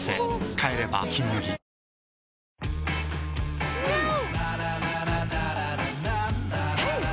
帰れば「金麦」キィー